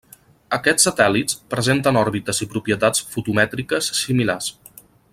Aquests satèl·lits presenten òrbites i propietats fotomètriques similars.